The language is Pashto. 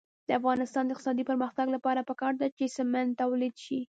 د افغانستان د اقتصادي پرمختګ لپاره پکار ده چې سمنټ تولید شي.